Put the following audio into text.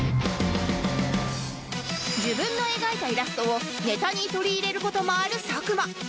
自分の描いたイラストをネタに取り入れる事もある佐久間